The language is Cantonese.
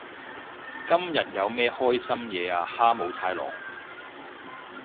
今日有咩開心嘢啊哈姆太郎？